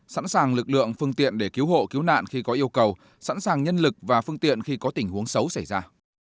sẵn sàng lực lượng phương tiện để cứu hộ cứu nạn khi có yêu cầu sẵn sàng nhân lực và phương tiện khi có tình huống xấu xảy ra